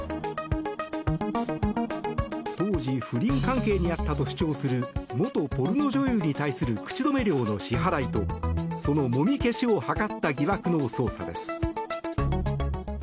当時、不倫関係にあったと主張する元ポルノ女優に対する口止め料の支払いとそのもみ消しを図った疑惑の捜査です。